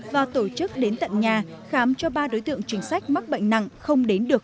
và tổ chức đến tận nhà khám cho ba đối tượng chính sách mắc bệnh nặng không đến được